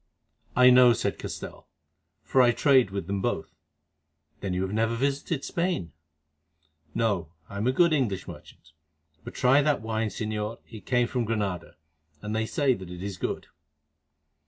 "I know," said Castell, "for I trade with them both." "Then you have never visited Spain?" "No; I am an English merchant. But try that wine, Señor; it came from Granada, and they say that it is good."